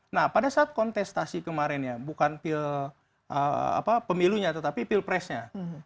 nah pada saat kontestasi kemarin ya bukan pil pemilunya tetapi pil presnya